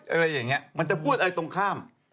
อะไรอย่างนี้มันจะพูดอะไรตรงข้าม